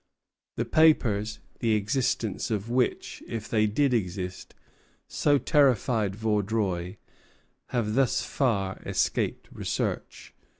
The papers the existence of which, if they did exist, so terrified Vaudreuil, have thus far escaped research.